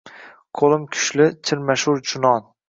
Qo’lim kuchli, chirmashur chunon